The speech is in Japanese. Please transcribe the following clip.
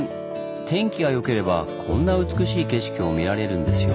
天気が良ければこんな美しい景色も見られるんですよ。